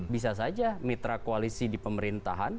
bisa saja mitra koalisi di pemerintahan